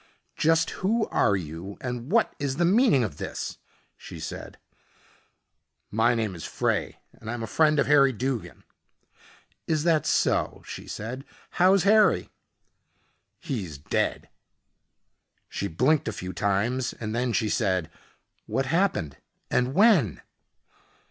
"Just who are you and what is the meaning of this?" she said. "My name is Frey, and I'm a friend of Harry Duggin." "Is that so?" she said. "How is Harry?" "He's dead." She blinked a few times and then she said, "What happened and when?"